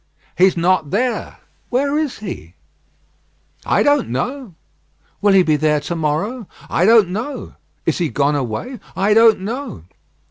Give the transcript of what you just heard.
"He's not there." "Where is he?" "I don't know." "Will he be there to morrow?" "I don't know." "Is he gone away?" "I don't know."